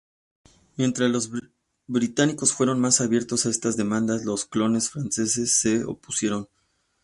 Mientras los británicos fueron más abiertos a estas demandas, los colonos franceses se opusieron.